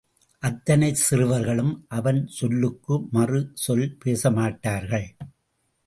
அத்தனை சிறுவர்களும் அவன் சொல்லுக்கு மறு சொல் பேசமாட்டார்கள்.